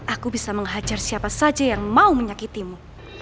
aku bisa menghajar siapa saja yang mau menyakitimu